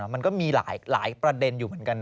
มันก็มีหลายประเด็นอยู่เหมือนกัน